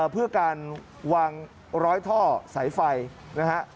เพื่อการวางร้อยท่อสายไฟนะฮะ